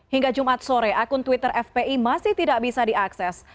hingga jumat sore akun twitter fpi masih tidak bisa diakses